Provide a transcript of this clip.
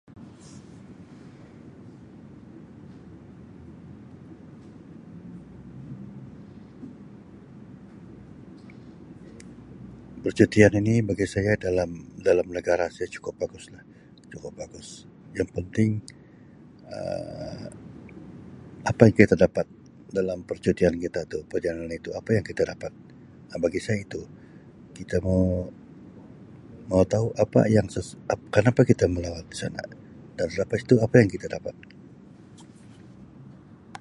Percutian ini bagi saya dalam-dalam negara saya cukup bagus lah, cukup bagus. Yang penting Um apa yang kita dapat dalam percutian kita tu, perjalanan itu apa yang kita dapat. Um Bagi saya itu, kita mau-mahu tahu apa yang ses-ap-kenapa kita melawat di sana dan lepas tu apa yang kita dapat.